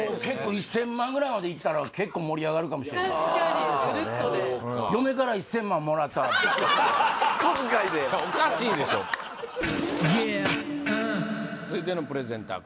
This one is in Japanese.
１０００万ぐらいまでいったら結構盛り上がるかもしれん確かにぬるっとで小遣いでおかしいでしょ続いてのプレゼンター